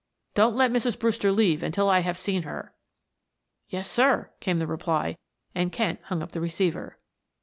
Don't let Mrs. Brewster leave until I have seen her." "Yes, sir," came the reply, and Kent hung up the receiver.